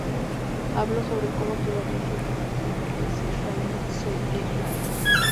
Habló sobre cómo todavía siente que es israelí: "Soy israelí.